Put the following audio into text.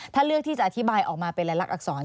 ถ้าเลือกที่จะอธิบายออกมาเป็นรายลักษณอักษร